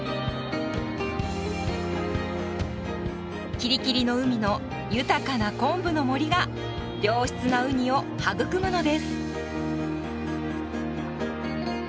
吉里吉里の海の豊かなコンブの森が良質なウニを育むのです。